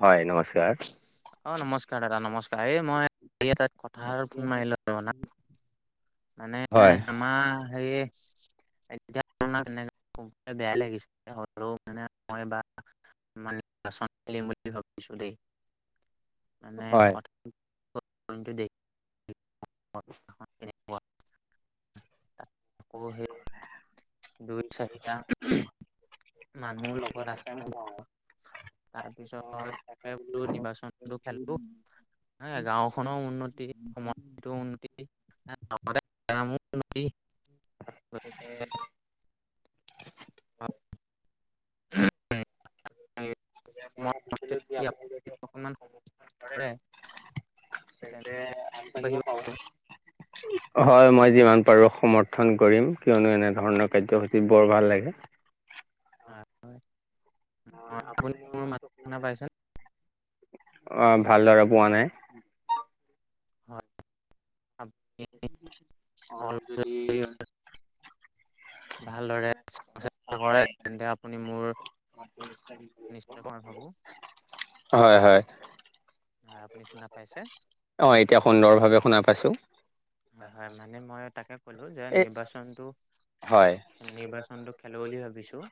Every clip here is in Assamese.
হয়, নমস্কাৰ। অ'! নমস্কাৰ দাদা, নমস্কাৰ! এই মই, সেই এটা, কথা এটাত ফোন মাৰিলোঁ। [unintelligible] মানে, হয়। আমাৰ সেইয়ে [inaudible] ক'বলে বেয়াই লাগিছে! মানে, হ'লেও মই বা [unintelligible] বুলি ভাবিছোঁ দেই! [inaudible] মানে, হয়। কথা [unintelligible] [inaudible] দুই চাৰিটা [unintelligible] মানুহ লব লগত আছে লাগে নলওঁ। তাৰপিছত তোৰ [unintelligible] নিৰ্বাচনটো খেলো। গাঁওখনও উন্নতি, সমাজো উন্নতি! [unintelligible] [unintelligible] [unintelligible] [unintelligible] অকমান কৰে তেন্তে আমি আহিব। [unintelligible] খাওঁ। হয় মই যিমান পাৰোঁ সমৰ্থন কৰিম কিয়নো এনেধৰণৰ কাৰ্যসূচী বৰ ভাল লাগে। [unintelligible] মোৰ মাতটো শুনা পাইছ নে? অহ, ভালদৰে পোৱা নাই। হয় আপুনি অলপ যদি হয়। ভালদৰে ভালদৰে [unintelligible] চোৱা-চিতা কৰে তেন্তে অহ, তোৰ [unintelligible] [unintelligible] নাভাবোঁ। হয়-হয় হয় আপুনি শুনা পাইছে? অহ এতিয়া সুন্দৰভাৱে শুনা পাইছোঁ। নহয় মানে মই তাকে ক'লো যে নিৰ্বাচনটো হয়। নিৰ্বাচনটো খেলো বুলি ভাবিছোঁ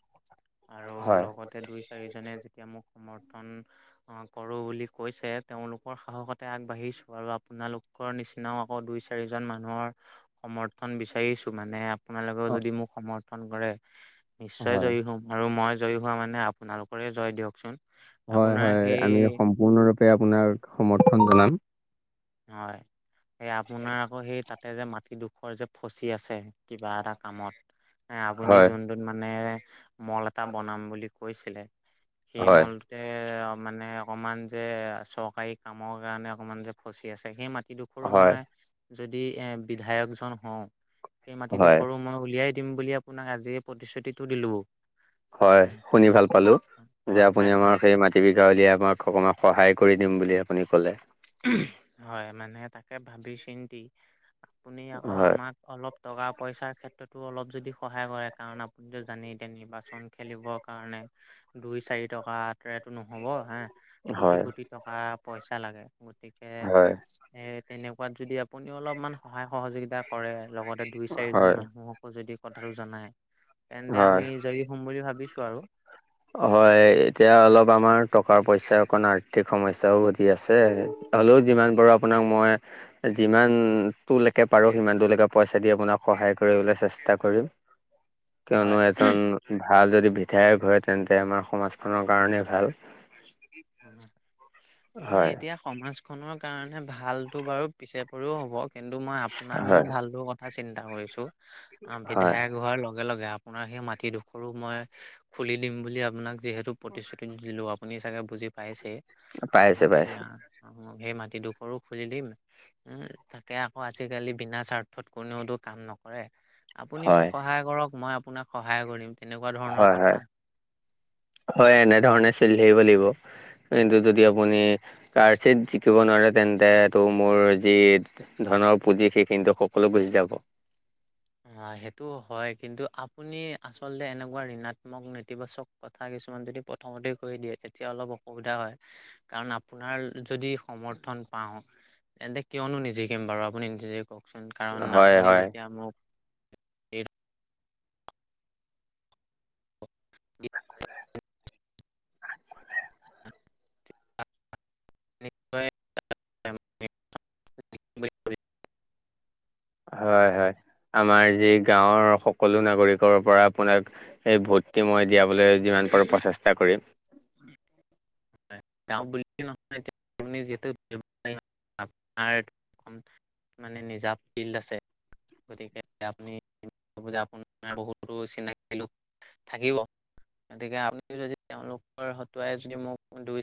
আৰু হয়। লগত তে দুই, চাৰিজনে যেতিয়া মোক সমৰ্থন অহ, কৰো বুলি কৈছে তেওঁলোকৰ সাহসতে আগবাঢ়িছোঁ আৰু আপোনালোকৰ নিচিনাও আকৌ দুই চাৰিজন মানুহৰ সমৰ্থন বিচাৰিছো মানে অ আপোনালোকেও যদি মোক সমৰ্থ থন কৰে নিশ্চয় হয় জয়ী হম আৰু মই জয়ী হোৱা মানে আপোনালোকৰে জয় দিয়কচোন। হয় আপোনাৰ হয় আমি সেই সম্পূৰ্ণৰূপে আপোনাক সমৰ্থন জনাম। হয় এই আপোনাৰ আকৌ সেই তাত তাতে যে মাটিডোখৰ যে ফচি আছে কিবা এটা কামত এ আপুনি হয় যোন য'ত মানে মল এটা বনাম বুলি কৈছিলে সেই হয় মল তে অহ, মানে অকমান যে চৰকাৰী কামৰ কাৰণে অকমান যে ফচি আছে সেই মাটিডোখৰো হয় মই যদি এ বিধায়কজন হওঁ সেই হয় মাটিডোখৰো মই উলিয়াই দিম বুলি আপোনাক আজিয়ে প্ৰতিশ্ৰুতিটো দিলো। হয় শুনি ভাল পালো যে হয় আপুনি তাক আমাৰ সেই মাটি জীৱিকা উলিয়াই আমাক অকমান সহায় কৰি দিম বুলি আপুনি ক'লে। [unintelligible] হয়, মানে তাকে ভাবি চিন্তি আপুনি অ, হয় আমাক অলপ টকা -পইচা ক্ষেত্ৰতো অলপ যদি সহায় কৰে কাৰণ আপুনিতো জানেই এতিয়া নিৰ্বাচ চন খেলিব কাৰণে দুই, চাৰি টকা টোৰে নহ'ব হা কোটি হয় - কোটি টকা -পইচা লাগে গতিকে হয় এ তেনেকুৱাত যদি আপুনি অলপমান সহায় সহযোগিতা কৰে লগতে দুই, চাৰিজন হয় মানুহ হকো যদি কথাটো জনাই তেন্তে হয় আমি জয়ী হম বুলি ভাবিছোঁ আৰু। হয় এতিয়া অলপ আমাৰ টকা -পইচা অকণ আৰ্থিক সমস্যাও দি আছে। হ'লেও যিমান পাৰো আপোনাক মই যিমানটোলেকে পাৰোঁ সিমানটোলেকে পইচা দি আপোনাক সহায় কৰিবলে চেষ্টা কৰিম। [inaudible] কিয়নো হয় এজন ভাল যদি বিধায়ক হয় তেন্তে আমাৰ সমাজখনৰ কাৰণেই ভাল। উম, মানে হয় এতিয়া সমাজখনৰ কাৰণে ভালটো বাৰু পিছে পৰিও হ'ব। কিন্তু মই আপোনাৰ মোৰ হয় ভালটোৰ কথা চিন্তা কৰিছো আ, হয় বিধায়ক হোৱাৰ লগে- লগে আপোনাৰ সেই মাটিডোখৰো মই খুলি দিম বুলি আপোনাক যিহেতু প্ৰতিশ্ৰুতি দিলো আপুনি চাগে বুজি পাইছে পাইছো পাইছো গতিকে [unintelligible] সেই মাটিডোখৰো খুজি দিম উম, তাকে আকৌ আজিকালি বিনা স্বাৰ্থত কোনেওতো কাম নকৰে। আপুনি মোক হয়। সহায় কৰক মই আপোনাক সহায় কৰিম তেনেকুৱা ধৰণৰ হয় কথা। হয় হয় এনেধৰণে চিলি থাকিব লাগিব। কিন্তু যদি আপুনি কাৰ চিট জিকিব নোৱাৰে তেন্তে তটো মোৰ যি, ধনৰ পুঁজি সেইখিনিতে সকলো গুচি যাব। হা, সেইটোয় হয় কিন্তু আপুনি আচলতে এনেকুৱা ঋণাত্মক নেতিবাচক কথা কিছুমান যদি প্ৰথমতে কৈ দিয়ে তেতিয়া অলপ অসুবিধা হয়। কাৰণ আপোনাৰ যদি সমৰ্থন পাওঁ তেন্তে কিয়নো নিজেকম বাৰু আপুনি নিজে ক'ক। চোন কাৰণ হয় আপুনি হয় যেতিয়া মোক [unintelligible] [unintelligible] হয় হয় আমাৰ যি গাঁৱৰ সকলো নাগৰিকৰ পৰা আপোনাক। সেই ভোটটি মই দিয়াবলৈ যিমান পাৰোঁ প্ৰচেষ্টা কৰিম, গাওঁ বুল নহয় এতিয়া আমাৰ [unintelligible] মানে নিজা ফিল্ড আছে। গতিকে আপুনি আপোনাৰ বহুতো চিনাক লোক। থাকিব গতিকে আপুনি যদি তেওঁলোকৰ হতোৱাই যদি মোক দুই